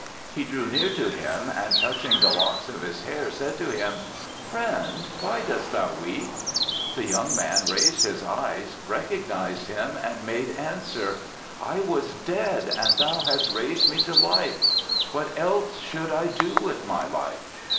He drew near to him, and touching the locks of his hair, said to him, "Friend, why dost thou weep?" The young man raised his eyes, recognized Him and made answer, "I was dead and Thou hast raised me to life. What else should I do with my life?"'